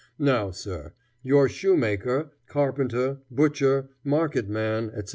Now, sir, your shoemaker, carpenter, butcher, market man, etc.